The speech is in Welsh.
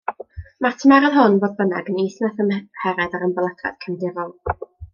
Mae'r tymheredd hwn, fodd bynnag, yn is na thymheredd yr ymbelydredd cefndirol.